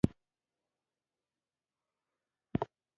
د هغوی څخه یې تر مرګه پورې نفرت درلود.